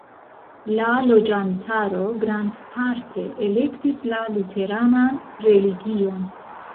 La loĝantaro grandparte elektis la luteranan religion.